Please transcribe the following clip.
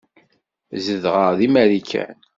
Zedɣeɣ deg Marikan.